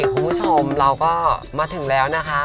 คุณผู้ชมเราก็มาถึงแล้วนะคะ